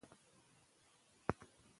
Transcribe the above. وارخطا ذهن نوي شیان نه شي زده کولی.